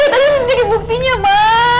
tentu sendiri buktinya ma